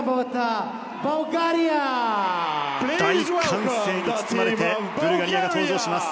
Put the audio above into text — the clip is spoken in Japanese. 大歓声に包まれてブルガリアが登場します。